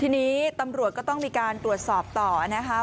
ทีนี้ตำรวจก็ต้องมีการตรวจสอบต่อนะคะ